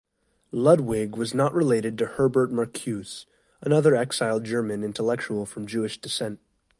Ludwig was not related to Herbert Marcuse, another exiled German intellectual from Jewish descent.